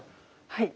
はい。